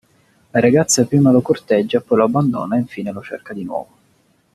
La ragazza prima lo corteggia, poi lo abbandona e infine lo cerca di nuovo.